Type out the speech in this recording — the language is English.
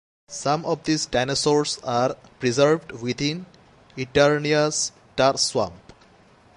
Some of these dinosaurs are preserved within Eternia's Tar Swamp.